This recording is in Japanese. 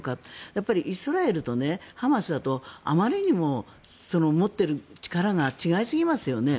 やっぱりイスラエルとハマスだとあまりにも持っている力が違いすぎますよね。